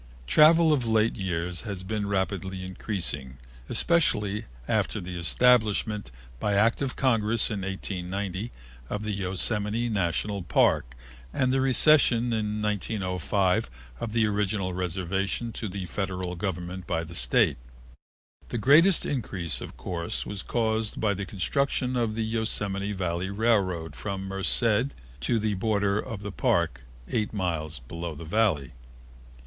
Travel of late years has been rapidly increasing, especially after the establishment, by Act of Congress in 1890, of the Yosemite National Park and the recession in 1905 of the original reservation to the Federal Government by the State. The greatest increase, of course, was caused by the construction of the Yosemite Valley railroad from Merced to the border of the Park, eight miles below the Valley.